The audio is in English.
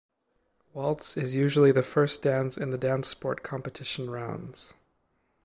Waltz is usually the first dance in the Dancesport competition rounds.